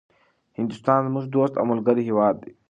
هندوستان زموږ دوست او ملګری هيواد ده